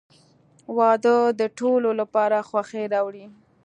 • واده د ټولو لپاره خوښي راوړي.